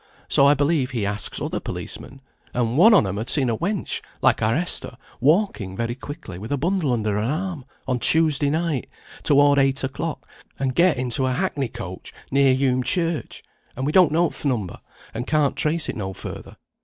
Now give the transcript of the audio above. So I believe he asks other policemen; and one on 'em had seen a wench, like our Esther, walking very quickly, with a bundle under her arm, on Tuesday night, toward eight o'clock, and get into a hackney coach, near Hulme Church, and we don't know th' number, and can't trace it no further.